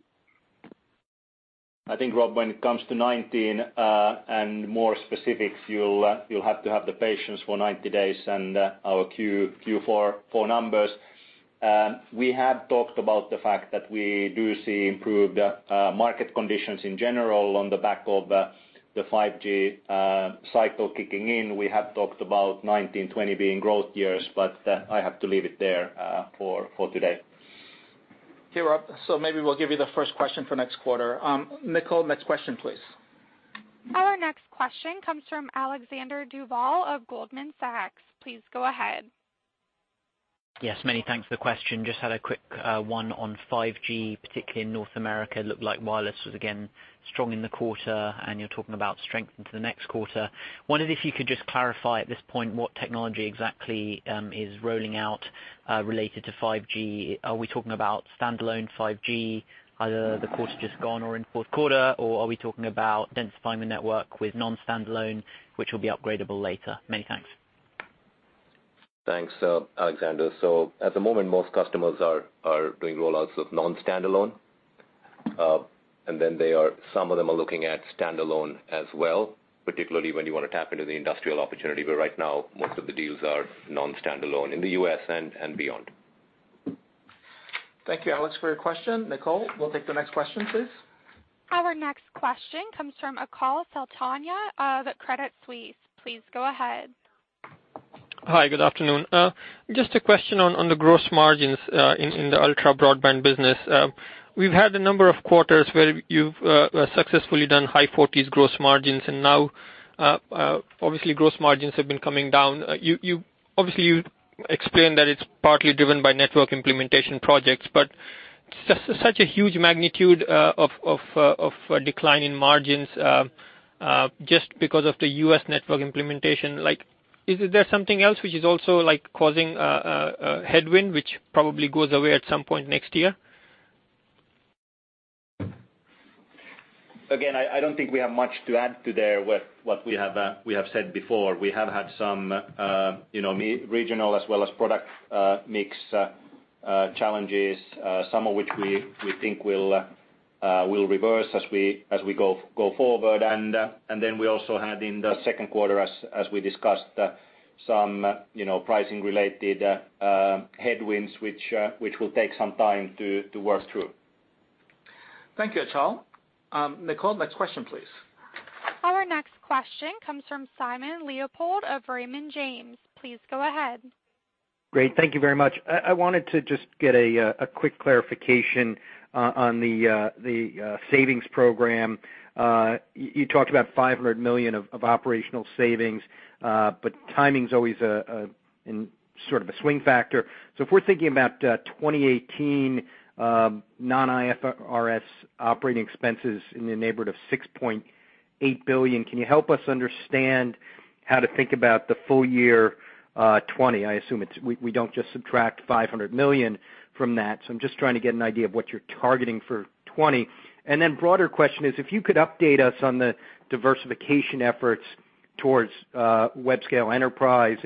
I think, Rob, when it comes to 2019 and more specifics, you'll have to have the patience for 90 days and our Q4 numbers. We have talked about the fact that we do see improved market conditions in general on the back of the 5G cycle kicking in. We have talked about 2019, 2020 being growth years, but I have to leave it there for today.
Here, Rob. Maybe we'll give you the first question for next quarter. Nicole, next question, please.
Our next question comes from Alexander Duval of Goldman Sachs. Please go ahead.
Yes, many thanks for the question. Just had a quick one on 5G, particularly in North America. Looked like wireless was again strong in the quarter, and you are talking about strength into the next quarter. Wondered if you could just clarify at this point what technology exactly is rolling out related to 5G. Are we talking about standalone 5G, either the quarter just gone or in fourth quarter, or are we talking about densifying the network with non-standalone, which will be upgradable later? Many thanks.
Thanks, Alexander. At the moment, most customers are doing rollouts of non-standalone. Some of them are looking at standalone as well, particularly when you want to tap into the industrial opportunity, where right now most of the deals are non-standalone in the U.S. and beyond.
Thank you, Alex, for your question. Nicole, we will take the next question, please.
Our next question comes from Achal Sultania of Credit Suisse. Please go ahead.
Hi, good afternoon. Just a question on the gross margins in the ultra-broadband business. We've had a number of quarters where you've successfully done high 40s gross margins, and now obviously gross margins have been coming down. You explained that it's partly driven by network implementation projects, but such a huge magnitude of decline in margins just because of the U.S. network implementation. Is there something else which is also causing a headwind, which probably goes away at some point next year?
I don't think we have much to add to there what we have said before. We have had some regional as well as product mix challenges, some of which we think will reverse as we go forward. We also had in the second quarter, as we discussed, some pricing related headwinds which will take some time to work through.
Thank you, Achal. Nicole, next question, please.
Our next question comes from Simon Leopold of Raymond James. Please go ahead.
Great. Thank you very much. I wanted to just get a quick clarification on the savings program. You talked about 500 million of operational savings, but timing's always sort of a swing factor. If we're thinking about 2018 non-IFRS OpEx in the neighborhood of 6.8 billion, can you help us understand how to think about the full year 2020? I assume we don't just subtract 500 million from that. I'm just trying to get an idea of what you're targeting for 2020. Broader question is, if you could update us on the diversification efforts towards web scale Enterprise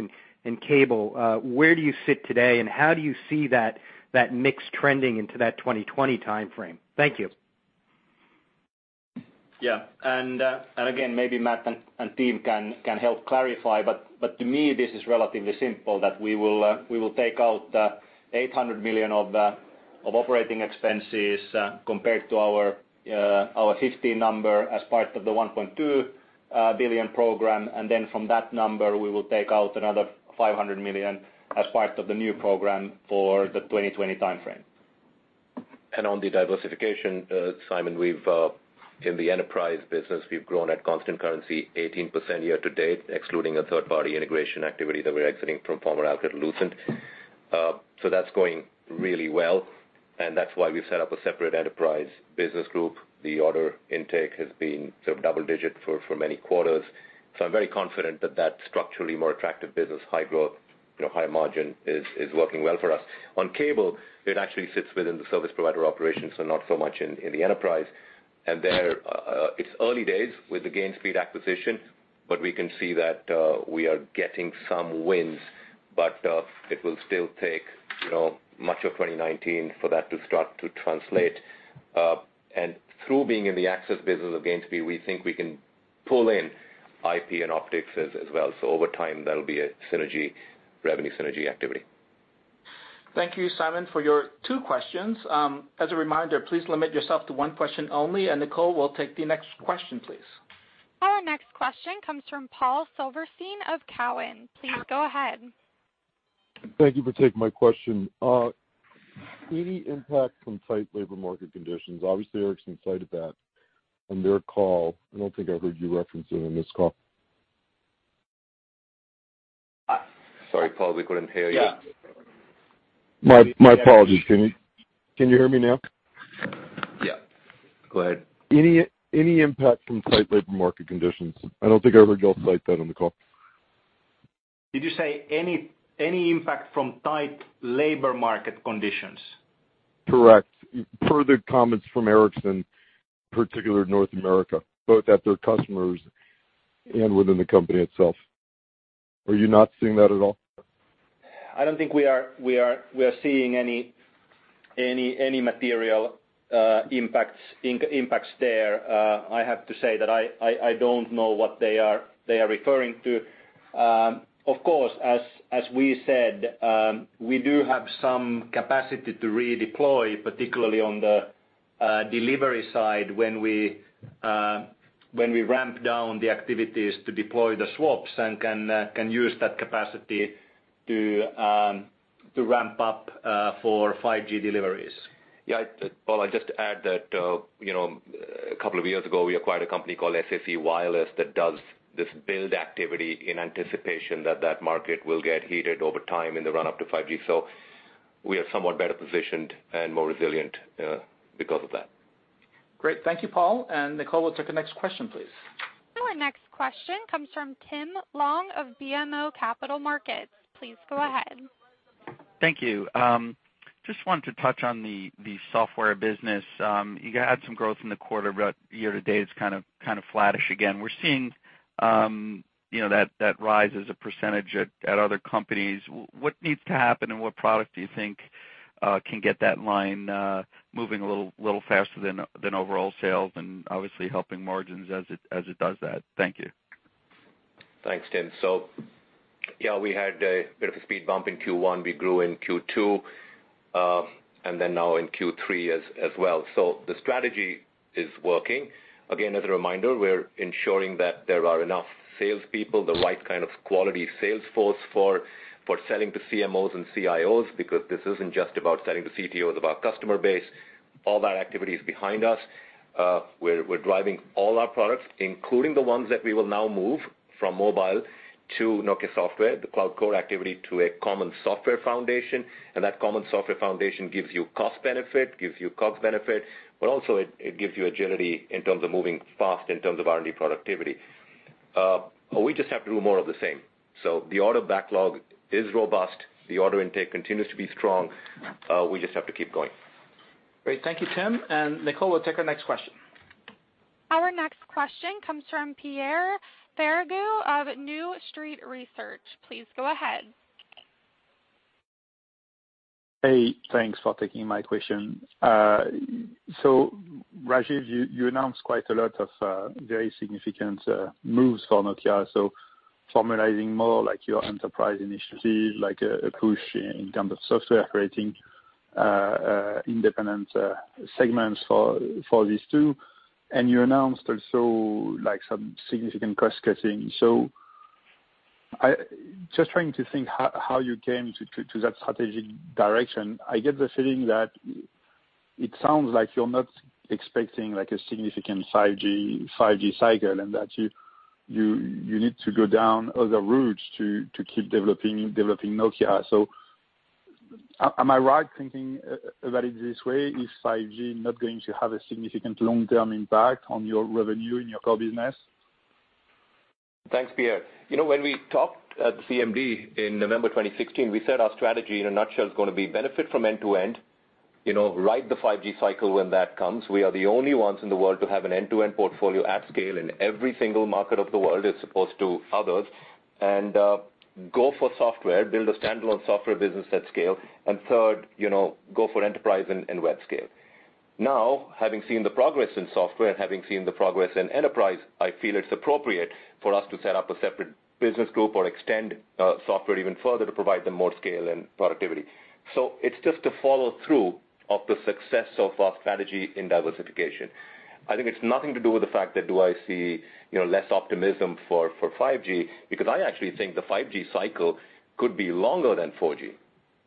and cable, where do you sit today and how do you see that mix trending into that 2020 timeframe? Thank you.
Yeah. Again, maybe Matt and team can help clarify, but to me this is relatively simple that we will take out 800 million of OpEx compared to our 2015 number as part of the 1.2 billion program. From that number, we will take out another 500 million as part of the new program for the 2020 timeframe.
On the diversification, Simon, in the Enterprise business we've grown at constant currency 18% year-to-date, excluding a third party integration activity that we're exiting from former Alcatel-Lucent. That's going really well, and that's why we've set up a separate Enterprise business group. The order intake has been double digit for many quarters. I'm very confident that that structurally more attractive business, high growth, high margin is working well for us. On cable, it actually sits within the service provider operations, not so much in the enterprise. There, it's early days with the Gainspeed acquisition, but we can see that we are getting some wins. It will still take much of 2019 for that to start to translate. Through being in the access business of Gainspeed, we think we can pull in IP and optics as well. Over time, that'll be a revenue synergy activity.
Thank you, Simon, for your two questions. As a reminder, please limit yourself to one question only. Nicole, we'll take the next question, please.
Our next question comes from Paul Silverstein of Cowen. Please go ahead.
Thank you for taking my question. Any impact from tight labor market conditions? Obviously, Ericsson cited that on their call. I don't think I heard you reference it on this call.
Sorry, Paul, we couldn't hear you.
Yeah. My apologies. Can you hear me now?
Yeah. Go ahead.
Any impact from tight labor market conditions? I don't think I heard you all cite that on the call.
Did you say any impact from tight labor market conditions?
Correct. Per the comments from Ericsson, particular North America, both at their customers and within the company itself. Are you not seeing that at all?
I don't think we are seeing any material impacts there. I have to say that I don't know what they are referring to. As we said, we do have some capacity to redeploy, particularly on the delivery side when we ramp down the activities to deploy the swaps and can use that capacity to ramp up for 5G deliveries.
Paul, I'd just add that a couple of years ago, we acquired a company called SAC Wireless that does this build activity in anticipation that that market will get heated over time in the run-up to 5G. We are somewhat better positioned and more resilient because of that.
Great. Thank you, Paul. Nicole, we'll take the next question, please.
Our next question comes from Tim Long of BMO Capital Markets. Please go ahead.
Thank you. Just wanted to touch on the software business. You had some growth in the quarter, but year to date, it's kind of flattish again. We're seeing that rise as a percentage at other companies. What needs to happen, and what product do you think can get that line moving a little faster than overall sales and obviously helping margins as it does that? Thank you.
Thanks, Tim. Yeah, we had a bit of a speed bump in Q1. We grew in Q2. Now in Q3 as well. The strategy is working. Again, as a reminder, we're ensuring that there are enough salespeople, the right kind of quality sales force for selling to CMOs and CIOs, because this isn't just about selling to CTOs of our customer base. All that activity is behind us. We're driving all our products, including the ones that we will now move from mobile to Nokia Software, the cloud core activity to a common software foundation, and that common software foundation gives you cost benefit, gives you COGS benefit, but also it gives you agility in terms of moving fast in terms of R&D productivity. We just have to do more of the same. The order backlog is robust. The order intake continues to be strong. We just have to keep going.
Great. Thank you, Tim. Nicole, we'll take our next question.
Our next question comes from Pierre Ferragu of New Street Research. Please go ahead.
Hey, thanks for taking my question. Rajeev, you announced quite a lot of very significant moves for Nokia. Formalizing more like your enterprise initiative, like a push in terms of software, creating independent segments for these two, you announced also some significant cost-cutting. Just trying to think how you came to that strategic direction. I get the feeling that it sounds like you're not expecting a significant 5G cycle and that you need to go down other routes to keep developing Nokia. Am I right thinking about it this way? Is 5G not going to have a significant long-term impact on your revenue in your core business?
Thanks, Pierre. When we talked at the CMD in November 2016, we said our strategy in a nutshell is going to be benefit from end to end, ride the 5G cycle when that comes. We are the only ones in the world to have an end-to-end portfolio at scale in every single market of the world as opposed to others. Go for software, build a standalone software business at scale. Third, go for enterprise and web scale. Now, having seen the progress in software, having seen the progress in enterprise, I feel it's appropriate for us to set up a separate business group or extend software even further to provide them more scale and productivity. It's just a follow-through of the success of our strategy in diversification. I think it's nothing to do with the fact that do I see less optimism for 5G, because I actually think the 5G cycle could be longer than 4G.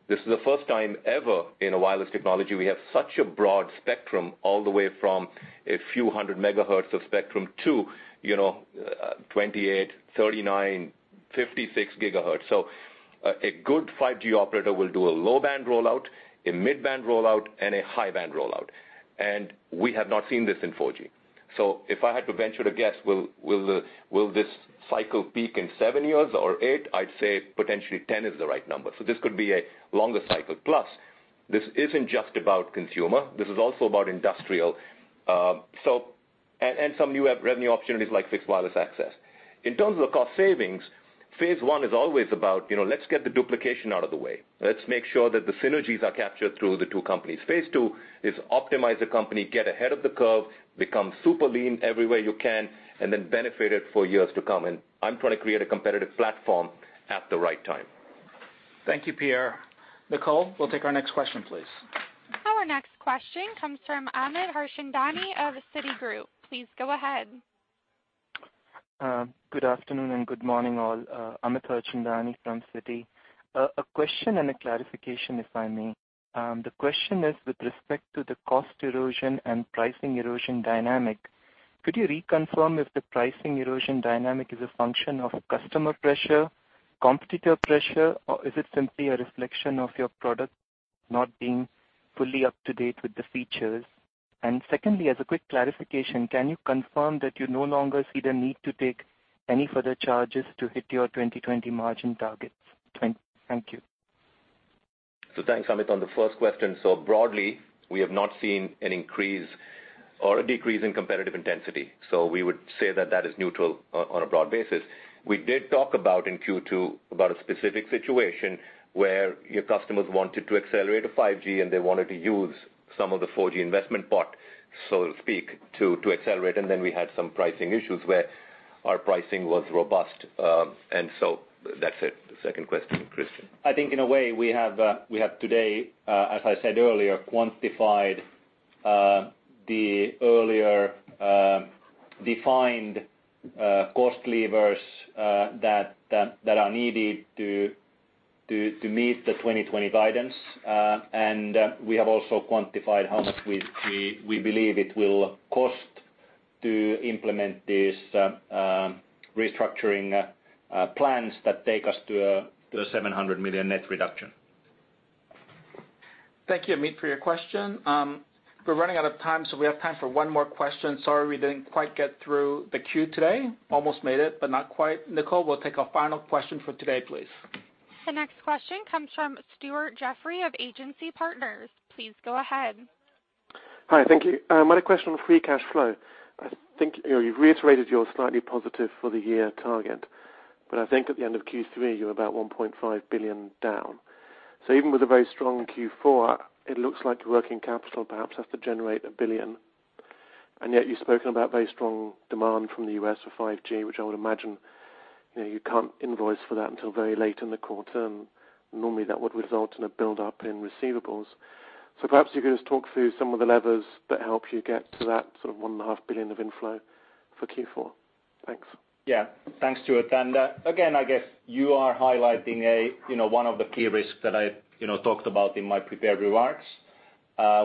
This is the first time ever in a wireless technology we have such a broad spectrum all the way from a few hundred megahertz of spectrum to 28, 39, 56 gigahertz. A good 5G operator will do a low-band rollout, a mid-band rollout, and a high-band rollout. We have not seen this in 4G. If I had to venture to guess, will this cycle peak in seven years or eight? I'd say potentially 10 is the right number. This could be a longer cycle. Plus, this isn't just about consumer, this is also about industrial. Some new revenue opportunities like fixed wireless access. In terms of cost savings, phase one is always about let's get the duplication out of the way. Let's make sure that the synergies are captured through the two companies. Phase two is optimize the company, get ahead of the curve, become super lean everywhere you can, and then benefit it for years to come. I'm trying to create a competitive platform at the right time.
Thank you, Pierre. Nicole, we'll take our next question, please.
Our next question comes from Amit Harchandani of Citigroup. Please go ahead.
Good afternoon and good morning, all. Amit Harchandani from Citi. A question and a clarification, if I may. The question is with respect to the cost erosion and pricing erosion dynamic. Could you reconfirm if the pricing erosion dynamic is a function of customer pressure, competitor pressure, or is it simply a reflection of your product not being fully up to date with the features? Secondly, as a quick clarification, can you confirm that you no longer see the need to take any further charges to hit your 2020 margin targets? Thank you.
Thanks, Amit, on the first question. Broadly, we have not seen an increase or a decrease in competitive intensity. We would say that that is neutral on a broad basis. We did talk about in Q2 about a specific situation where your customers wanted to accelerate to 5G, and they wanted to use some of the 4G investment pot, so to speak, to accelerate. Then we had some pricing issues where our pricing was robust. That's it. Second question, Kristian.
I think in a way we have today, as I said earlier, quantified the earlier defined cost levers that are needed to meet the 2020 guidance. We have also quantified how much we believe it will cost to implement these restructuring plans that take us to a 700 million net reduction.
Thank you, Amit, for your question. We're running out of time, we have time for one more question. Sorry we didn't quite get through the queue today. Almost made it, not quite. Nicole, we'll take our final question for today, please.
The next question comes from Stuart Jeffrey of Agency Partners. Please go ahead.
Hi, thank you. I had a question on free cash flow. I think at the end of Q3, you're about 1.5 billion down. Even with a very strong Q4, it looks like working capital perhaps has to generate 1 billion. Yet you've spoken about very strong demand from the U.S. for 5G, which I would imagine you can't invoice for that until very late in the quarter, and normally that would result in a build-up in receivables. Perhaps you could just talk through some of the levers that help you get to that sort of 1.5 billion of inflow for Q4. Thanks.
Yeah. Thanks, Stuart. Again, I guess you are highlighting one of the key risks that I talked about in my prepared remarks.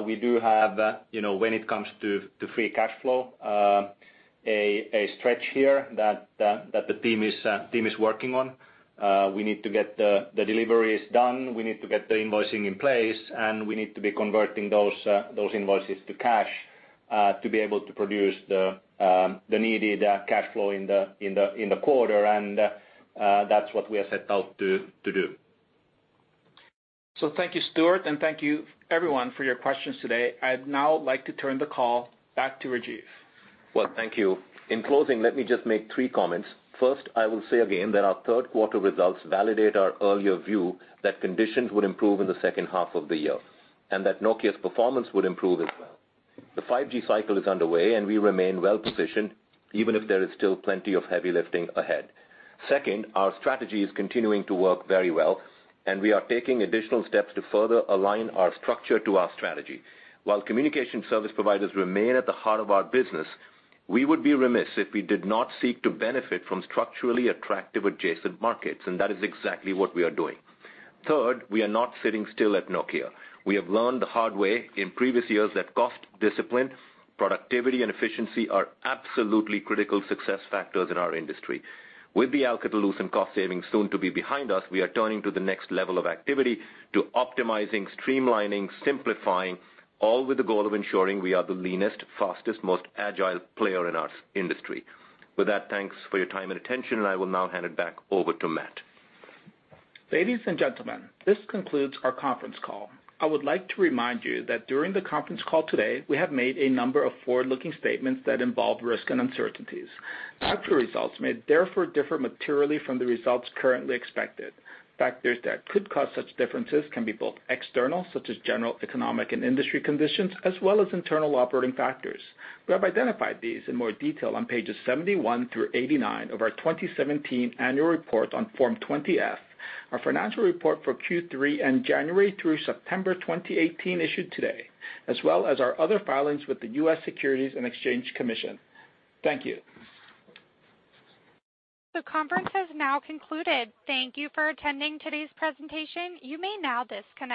We do have, when it comes to free cash flow, a stretch here that the team is working on. We need to get the deliveries done, we need to get the invoicing in place, and we need to be converting those invoices to cash to be able to produce the needed cash flow in the quarter. That's what we have set out to do.
Thank you, Stuart, and thank you everyone for your questions today. I'd now like to turn the call back to Rajeev.
Well, thank you. In closing, let me just make three comments. First, I will say again that our third quarter results validate our earlier view that conditions would improve in the second half of the year, and that Nokia's performance would improve as well. The 5G cycle is underway, and we remain well-positioned, even if there is still plenty of heavy lifting ahead. Second, our strategy is continuing to work very well, and we are taking additional steps to further align our structure to our strategy. While communication service providers remain at the heart of our business, we would be remiss if we did not seek to benefit from structurally attractive adjacent markets, and that is exactly what we are doing. Third, we are not sitting still at Nokia. We have learned the hard way in previous years that cost discipline, productivity, and efficiency are absolutely critical success factors in our industry. With the Alcatel-Lucent cost savings soon to be behind us, we are turning to the next level of activity to optimizing, streamlining, simplifying, all with the goal of ensuring we are the leanest, fastest, most agile player in our industry. With that, thanks for your time and attention, and I will now hand it back over to Matt.
Ladies and gentlemen, this concludes our conference call. I would like to remind you that during the conference call today, we have made a number of forward-looking statements that involve risk and uncertainties. Actual results may therefore differ materially from the results currently expected. Factors that could cause such differences can be both external, such as general economic and industry conditions, as well as internal operating factors. We have identified these in more detail on pages 71 through 89 of our 2017 annual report on Form 20-F, our financial report for Q3 and January through September 2018 issued today, as well as our other filings with the U.S. Securities and Exchange Commission. Thank you.
The conference has now concluded. Thank you for attending today's presentation. You may now disconnect.